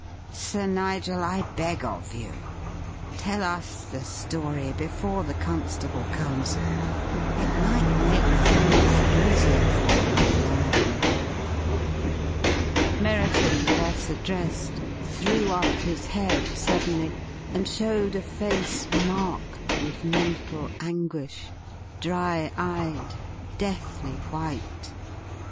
Sir Nigel, I beg of you, tell us the story before the constable comes. It might make things easier for you in the long run." Merriton, thus addressed, threw up his head suddenly and showed a face marked with mental anguish, dry eyed, deathly white.